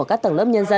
để tạo ra